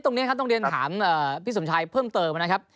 ตรงนี้ครับต้องเรียนถามพี่สมชัยเพิ่มเติมนะครับ